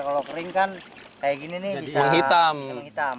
kalau kering kan kayak gini nih bisa hitam